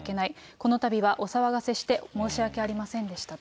このたびはお騒がせして申し訳ありませんでしたと。